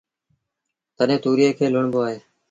تڏهيݩ تُوريئي کي لُوڻبو اهي